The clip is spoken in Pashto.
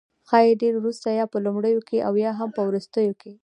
ښايي ډیر وروسته، یا په لومړیو کې او یا هم په وروستیو کې